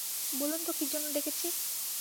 বলুন তো কি জন্যে ডেকেছি?